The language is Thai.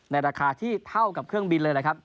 ราคาที่เท่ากับเครื่องบินเลยนะครับ